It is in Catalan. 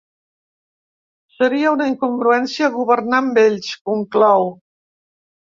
“Seria una incongruència governar amb ells”, conclou.